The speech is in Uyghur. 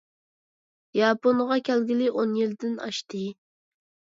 ياپونغا كەلگىلى ئون يىلدىن ئاشتى.